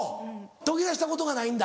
途切らしたことがないんだ？